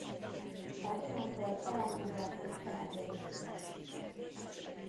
Ferdinándtól saját maga és családja részére.